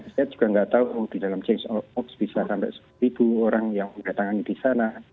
saya juga tidak tahu di dalam change ops bisa sampai sepuluh ribu orang yang sudah menerima program ini